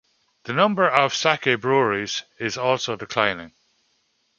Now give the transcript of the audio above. The number of sake breweries is also declining.